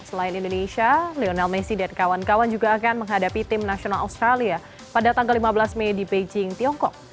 selain indonesia lionel messi dan kawan kawan juga akan menghadapi tim nasional australia pada tanggal lima belas mei di beijing tiongkok